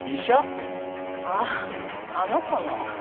あああの子の。